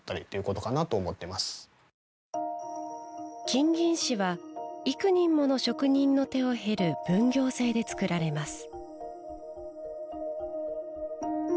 金銀糸は幾人もの職人の手を経る分業制で作られます。